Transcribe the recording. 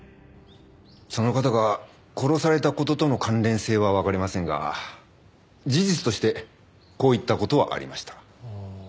その方が殺された事との関連性はわかりませんが事実としてこういった事はありました。